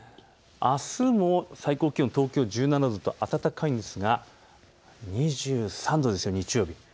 あすも最高気温、東京は１７度と暖かいんですが２３度です日曜日。